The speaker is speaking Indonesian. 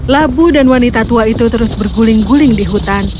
labu dan wanita tua itu terus berguling guling di hutan